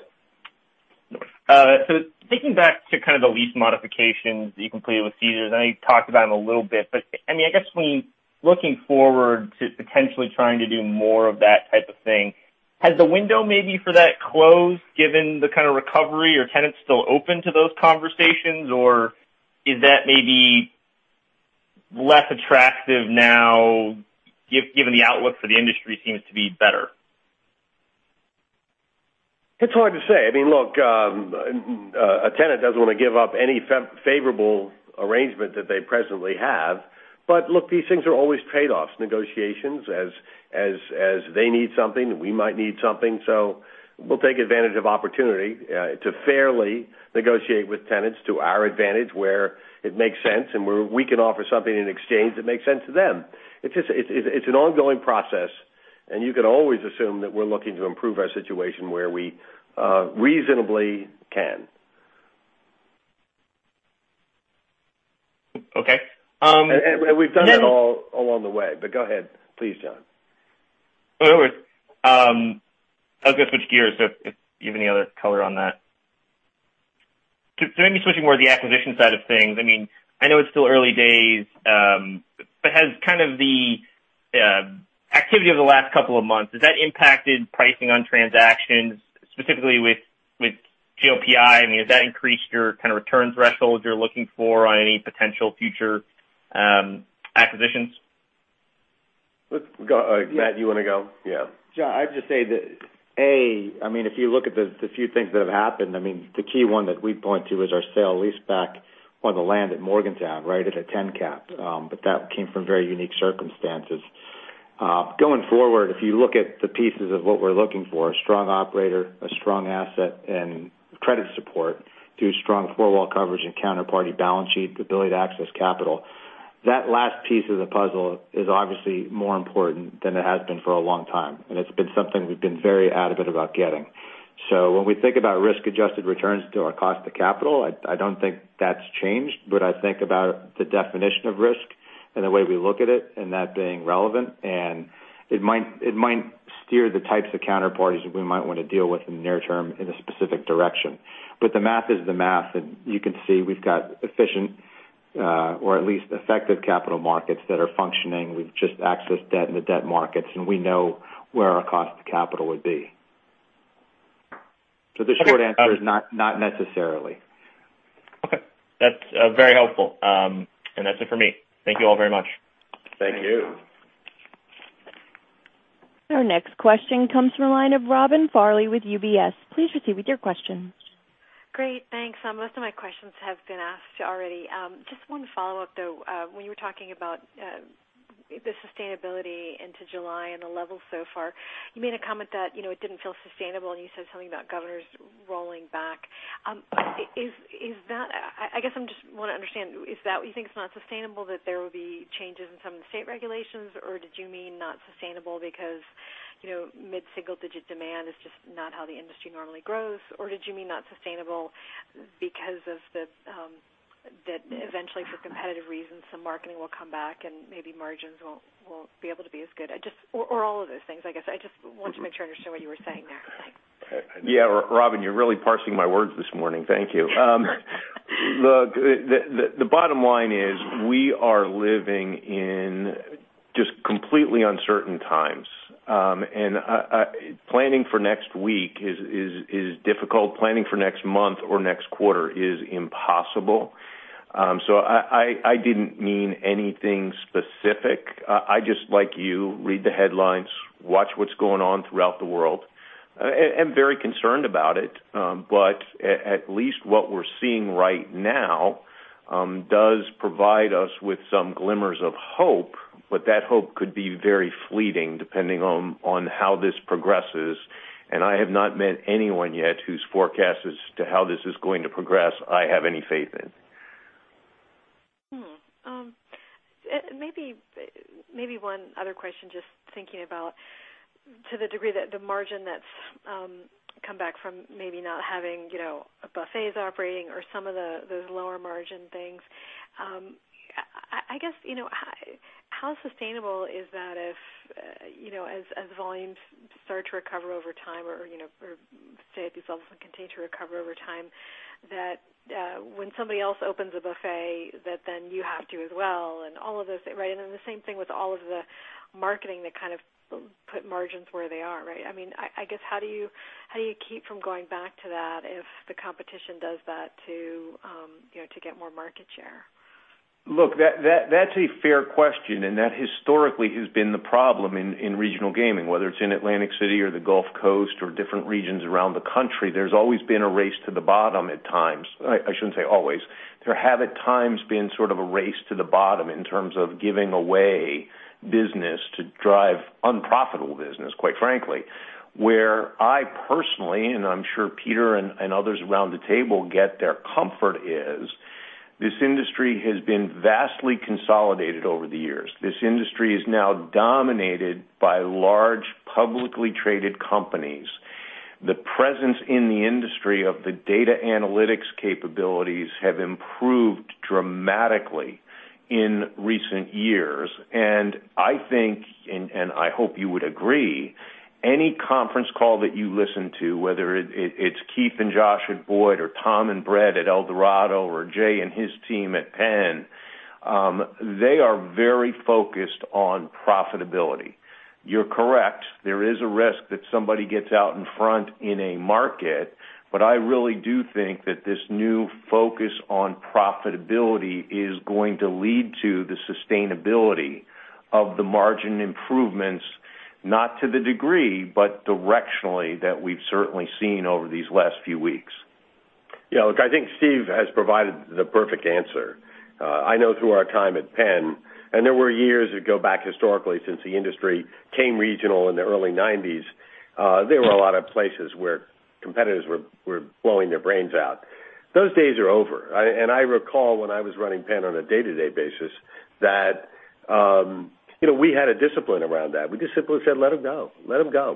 Thinking back to the lease modifications that you completed with Caesars, I know you talked about them a little bit, but I guess when looking forward to potentially trying to do more of that type of thing, has the window maybe for that closed given the recovery? Are tenants still open to those conversations, or is that maybe less attractive now given the outlook for the industry seems to be better?
It's hard to say. Look, a tenant doesn't want to give up any favorable arrangement that they presently have. Look, these things are always trade-offs, negotiations as they need something, we might need something. We'll take advantage of opportunity to fairly negotiate with tenants to our advantage where it makes sense and where we can offer something in exchange that makes sense to them. It's an ongoing process, and you can always assume that we're looking to improve our situation where we reasonably can.
Okay.
We've done that all along the way. Go ahead, please, John.
No worries. I was going to switch gears. If you have any other color on that. Maybe switching more to the acquisition side of things. I know it's still early days. Has kind of the activity over the last couple of months, has that impacted pricing on transactions specifically with GLPI? Has that increased your kind of return threshold you're looking for on any potential future acquisitions?
Matt, you want to go? Yeah.
John, I'd just say that A, if you look at the few things that have happened, the key one that we point to is our sale leaseback on the land at Morgantown, right, at a 10 cap. That came from very unique circumstances. Going forward, if you look at the pieces of what we're looking for, a strong operator, a strong asset, and credit support through strong four-wall coverage and counterparty balance sheet, the ability to access capital. That last piece of the puzzle is obviously more important than it has been for a long time, and it's been something we've been very adamant about getting. When we think about risk-adjusted returns to our cost of capital, I don't think that's changed. I think about the definition of risk and the way we look at it and that being relevant, and it might steer the types of counterparties that we might want to deal with in the near term in a specific direction. The math is the math, and you can see we've got efficient or at least effective capital markets that are functioning. We've just accessed debt in the debt markets, and we know where our cost of capital would be. The short answer is not necessarily.
Okay. That's very helpful. That's it for me. Thank you all very much.
Thank you.
Our next question comes from the line of Robin Farley with UBS. Please proceed with your question.
Great. Thanks. Most of my questions have been asked already. Just one follow-up, though. When you were talking about the sustainability into July and the levels so far, you made a comment that it didn't feel sustainable, and you said something about governors rolling back. I guess I just want to understand, is that what you think is not sustainable, that there will be changes in some of the state regulations? Or did you mean not sustainable because mid-single digit demand is just not how the industry normally grows? Or did you mean not sustainable because eventually for competitive reasons, some marketing will come back and maybe margins won't be able to be as good. Or all of those things, I guess. I just wanted to make sure I understand what you were saying there. Thanks.
Yeah. Robin, you're really parsing my words this morning. Thank you. Look, the bottom line is we are living in just completely uncertain times. Planning for next week is difficult. Planning for next month or next quarter is impossible. I didn't mean anything specific. I just, like you, read the headlines, watch what's going on throughout the world, am very concerned about it. At least what we're seeing right now does provide us with some glimmers of hope, but that hope could be very fleeting depending on how this progresses. I have not met anyone yet whose forecast as to how this is going to progress, I have any faith in.
Maybe one other question, just thinking about to the degree that the margin that's come back from maybe not having buffets operating or some of those lower margin things. I guess, how sustainable is that if, as volumes start to recover over time or stay at these levels and continue to recover over time, that when somebody else opens a buffet, that then you have to as well, and all of those, right? Then the same thing with all of the marketing that kind of put margins where they are, right? I guess, how do you keep from going back to that if the competition does that to get more market share?
Look, that's a fair question, and that historically has been the problem in regional gaming. Whether it's in Atlantic City or the Gulf Coast or different regions around the country, there's always been a race to the bottom at times. I shouldn't say always. There have, at times, been sort of a race to the bottom in terms of giving away business to drive unprofitable business, quite frankly. Where I personally, and I'm sure Peter and others around the table get their comfort is, this industry has been vastly consolidated over the years. This industry is now dominated by large, publicly traded companies. The presence in the industry of the data analytics capabilities have improved dramatically in recent years, and I think, and I hope you would agree, any conference call that you listen to, whether it's Keith and Josh at Boyd or Tom and Bret at Eldorado or Jay and his team at Penn, they are very focused on profitability. You're correct. There is a risk that somebody gets out in front in a market. I really do think that this new focus on profitability is going to lead to the sustainability of the margin improvements, not to the degree, but directionally, that we've certainly seen over these last few weeks.
Yeah, look, I think Steve has provided the perfect answer. I know through our time at Penn, and there were years that go back historically since the industry came regional in the early 1990s. There were a lot of places where competitors were blowing their brains out. Those days are over. I recall when I was running Penn on a day-to-day basis, that we had a discipline around that. We just simply said, "Let them go.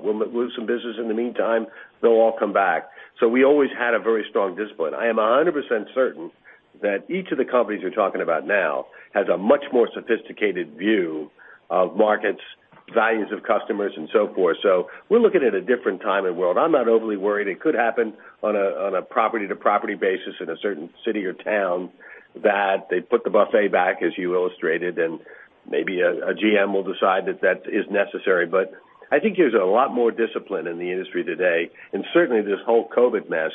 We'll lose some business in the meantime. They'll all come back." We always had a very strong discipline. I am 100% certain that each of the companies you're talking about now has a much more sophisticated view of markets, values of customers, and so forth. We're looking at a different time and world. I'm not overly worried. It could happen on a property-to-property basis in a certain city or town that they put the buffet back, as you illustrated, and maybe a GM will decide that that is necessary. I think there's a lot more discipline in the industry today. Certainly, this whole COVID mess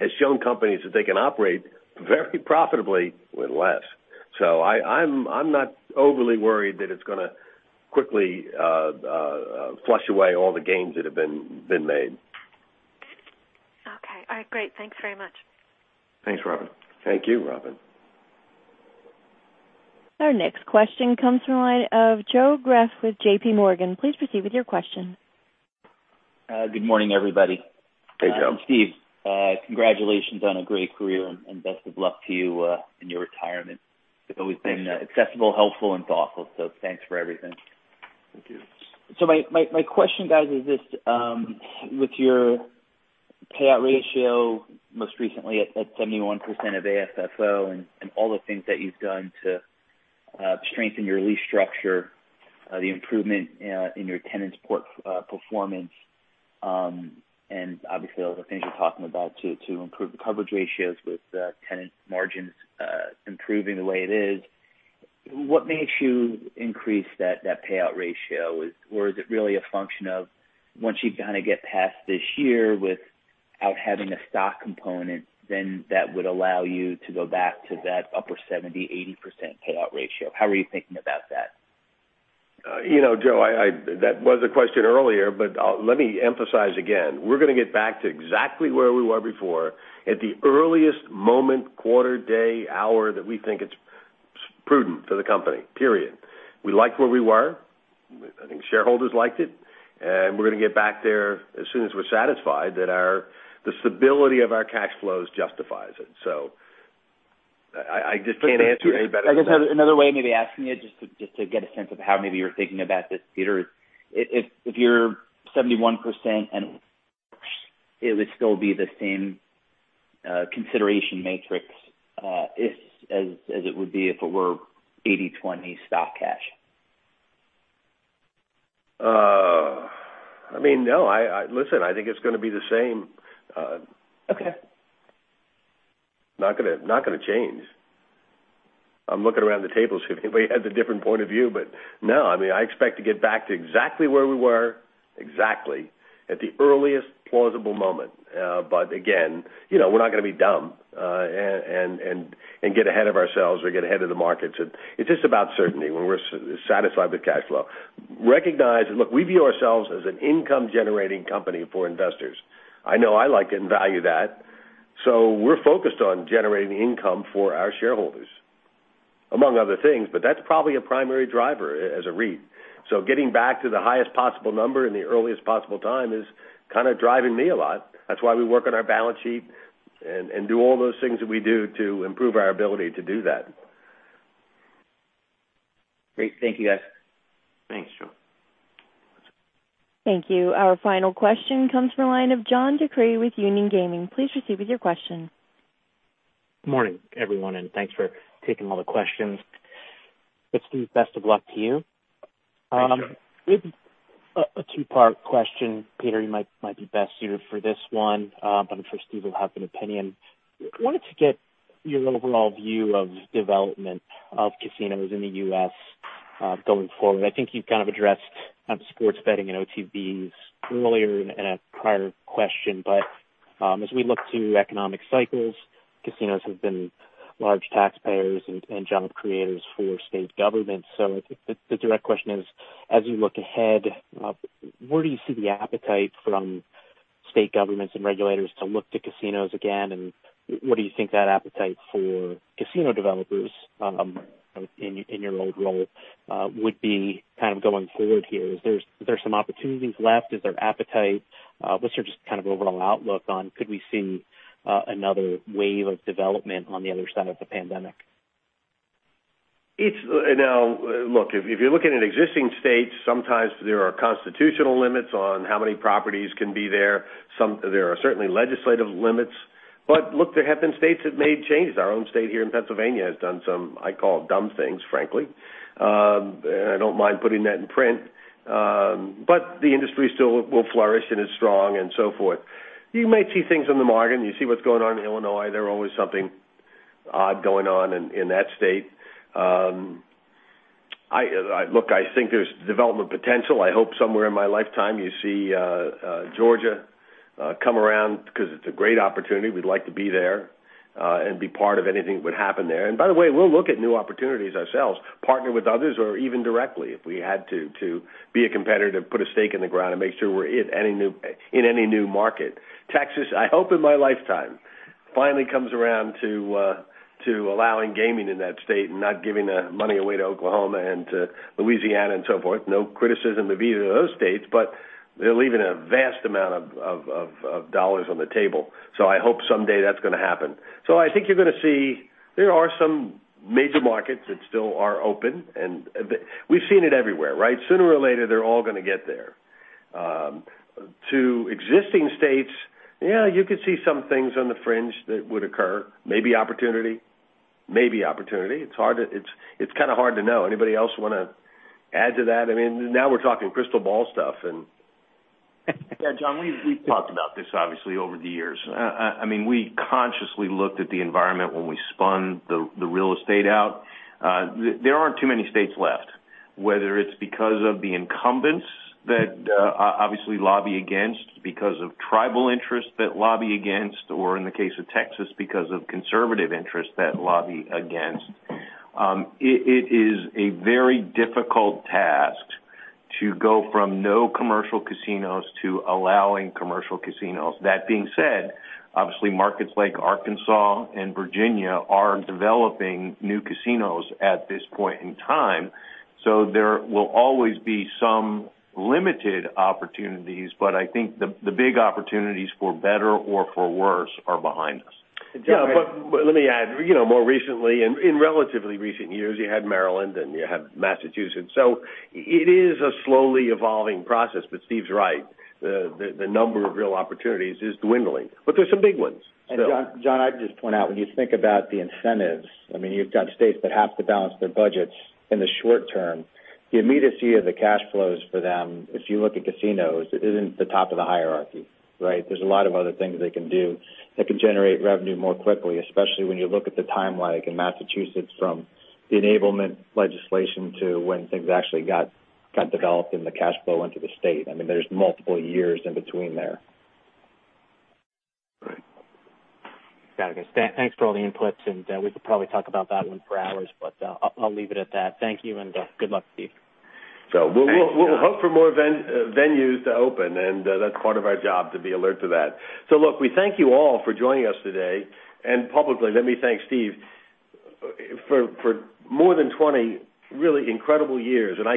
has shown companies that they can operate very profitably with less. I'm not overly worried that it's going to quickly flush away all the gains that have been made.
Okay. All right, great. Thanks very much.
Thanks, Robin.
Thank you, Robin.
Our next question comes from the line of Joe Greff with JPMorgan. Please proceed with your question.
Good morning, everybody.
Hey, Joe.
Steve, congratulations on a great career and best of luck to you in your retirement.
Thank you.
You've always been accessible, helpful, and thoughtful, so thanks for everything.
Thank you.
My question, guys, is this. With your payout ratio most recently at 71% of AFFO and all the things that you've done to strengthen your lease structure, the improvement in your tenant support performance, and obviously all the things you're talking about to improve the coverage ratios with tenant margins improving the way it is, what makes you increase that payout ratio? Is it really a function of once you kind of get past this year without having a stock component, then that would allow you to go back to that upper 70%-80% payout ratio? How are you thinking about that?
Joe, that was a question earlier. Let me emphasize again. We're going to get back to exactly where we were before at the earliest moment, quarter, day, hour that we think it's prudent for the company. Period. We liked where we were. I think shareholders liked it. We're going to get back there as soon as we're satisfied that the stability of our cash flows justifies it. I just can't answer it any better than that.
I guess another way of maybe asking it, just to get a sense of how maybe you're thinking about this, Peter, is if you're 71% and it would still be the same consideration matrix as it would be if it were 80/20 stock cash?
No. Listen, I think it's going to be the same.
Okay.
Not going to change. I'm looking around the table, see if anybody has a different point of view. No, I expect to get back to exactly where we were, exactly, at the earliest plausible moment. Again, we're not going to be dumb and get ahead of ourselves or get ahead of the markets. It's just about certainty, when we're satisfied with cash flow. Recognize, look, we view ourselves as an income-generating company for investors. I know I like and value that. We're focused on generating income for our shareholders, among other things. That's probably a primary driver as a REIT. Getting back to the highest possible number in the earliest possible time is kind of driving me a lot. That's why we work on our balance sheet and do all those things that we do to improve our ability to do that.
Great. Thank you, guys.
Thanks, John.
Thank you. Our final question comes from the line of John DeCree with Union Gaming. Please proceed with your question.
Morning, everyone, and thanks for taking all the questions. Steve, best of luck to you.
Thanks, John.
A two-part question. Peter, you might be best suited for this one. I'm sure Steve will have an opinion. I wanted to get your overall view of development of casinos in the U.S. going forward. I think you've kind of addressed sports betting and OTBs earlier in a prior question. As we look to economic cycles, casinos have been large taxpayers and job creators for state governments. I think the direct question is, as you look ahead, where do you see the appetite from state governments and regulators to look to casinos again? What do you think that appetite for casino developers in your old role would be going forward here? Is there some opportunities left? Is there appetite? What's your just kind of overall outlook on could we see another wave of development on the other side of the pandemic?
Look, if you're looking at existing states, sometimes there are constitutional limits on how many properties can be there. There are certainly legislative limits. Look, there have been states that made changes. Our own state here in Pennsylvania has done some, I call, dumb things, frankly. I don't mind putting that in print. The industry still will flourish and is strong and so forth. You may see things on the margin. You see what's going on in Illinois. There's always something odd going on in that state. Look, I think there's development potential. I hope somewhere in my lifetime you see Georgia come around because it's a great opportunity. We'd like to be there and be part of anything that would happen there. By the way, we'll look at new opportunities ourselves, partner with others or even directly if we had to be a competitor, put a stake in the ground and make sure we're in any new market. Texas, I hope in my lifetime finally comes around to allowing gaming in that state and not giving money away to Oklahoma and to Louisiana and so forth. No criticism to either of those states, but they're leaving a vast amount of dollars on the table. I hope someday that's going to happen. I think you're going to see there are some major markets that still are open, and we've seen it everywhere, right? Sooner or later, they're all going to get there. To existing states, yeah, you could see some things on the fringe that would occur. Maybe opportunity, it's kind of hard to know. Anybody else want to add to that? Now we're talking crystal ball stuff and.
Yeah, John, we've talked about this obviously over the years. We consciously looked at the environment when we spun the real estate out. There aren't too many states left, whether it's because of the incumbents that obviously lobby against, because of tribal interests that lobby against, or in the case of Texas, because of conservative interests that lobby against. It is a very difficult task to go from no commercial casinos to allowing commercial casinos. That being said, obviously markets like Arkansas and Virginia are developing new casinos at this point in time. There will always be some limited opportunities, but I think the big opportunities for better or for worse are behind us.
Yeah. Let me add, more recently, in relatively recent years, you had Maryland and you had Massachusetts. It is a slowly evolving process. Steve's right. The number of real opportunities is dwindling. There's some big ones.
John, I'd just point out, when you think about the incentives, you've got states that have to balance their budgets in the short term. The immediacy of the cash flows for them, if you look at casinos, isn't the top of the hierarchy, right? There's a lot of other things they can do that can generate revenue more quickly, especially when you look at the timeline in Massachusetts from the enablement legislation to when things actually got developed and the cash flow went to the state. There's multiple years in between there.
Right.
Got it. Thanks for all the inputs, and we could probably talk about that one for hours, but I'll leave it at that. Thank you, and good luck, Steve.
Thanks, John.
We'll hope for more venues to open, and that's part of our job to be alert to that. Look, we thank you all for joining us today, and publicly, let me thank Steve for more than 20 really incredible years. I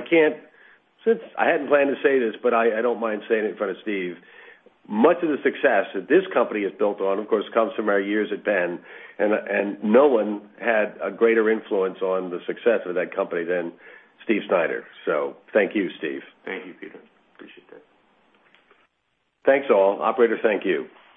hadn't planned to say this, but I don't mind saying it in front of Steve. Much of the success that this company is built on, of course, comes from our years at Penn, and no one had a greater influence on the success of that company than Steve Snyder. Thank you, Steve.
Thank you, Peter. Appreciate that.
Thanks, all. Operator, thank you.